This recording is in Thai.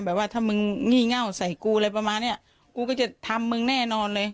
ว่าถ้ามึงงี่เง่าใส่กูอะไรประมาณเนี้ยกูก็จะทำมึงแน่นอนเลย